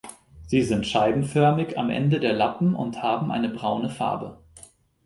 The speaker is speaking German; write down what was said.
Sie sind scheibenförmig am Ende der Lappen und haben eine braune Farbe.